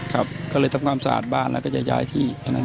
ต้องทำความสะอาดบ้านแล้วก็จะย้ายที่